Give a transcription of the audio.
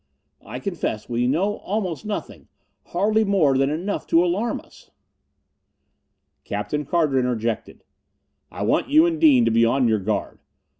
"I confess, we know almost nothing hardly more than enough to alarm us." Captain Carter interjected, "I want you and Dean to be on your guard.